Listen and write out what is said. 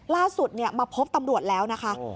ล่าสุดมาพบตำรวจแล้วนะคะ